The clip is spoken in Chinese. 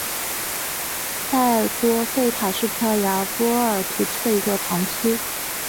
塞多费塔是葡萄牙波尔图区的一个堂区。